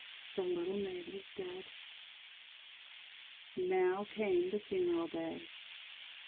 The little maid was dead. Now came the funeral day.